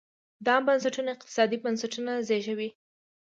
دا بنسټونه اقتصادي بنسټونه زېږوي.